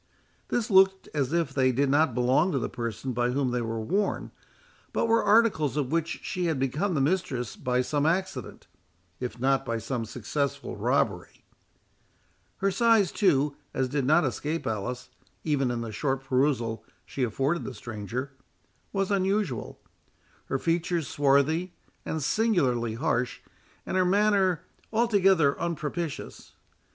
This looked as if they did not belong to the person by whom they were worn, but were articles of which she had become the mistress by some accident, if not by some successful robbery. Her size, too, as did not escape Alice, even in the short perusal she afforded the stranger, was unusual; her features swarthy and singularly harsh, and her manner altogether unpropitious.